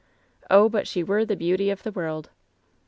"Oh, but she were the beauty of the world